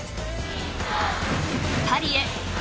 ［パリへ！